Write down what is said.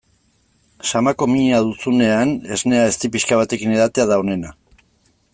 Samako mina duzunean esnea ezti pixka batekin edatea da onena.